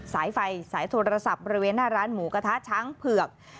สายไฟสายโทรศัพท์บริเวณหน้าร้านหมูกระทะช้างเผือก